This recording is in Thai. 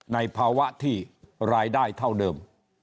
ในภาวะที่รายได้เท่าเดิม